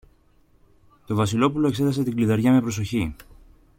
Το Βασιλόπουλο εξέτασε την κλειδαριά με προσοχή.